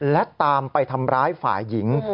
และตามไปทำร้ายฝ่ายหญิง